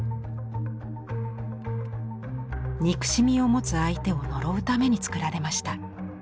憎しみを持つ相手を呪うために作られました。